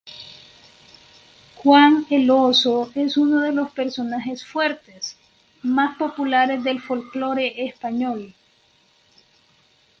Juan el Oso es uno de los personajes fuertes, más populares del folclore español.